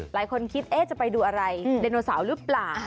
หลายคนคิดจะไปดูอะไรเรนโนสาวรึเปล่า